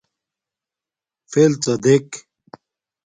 فݵلڎݳ دݵک.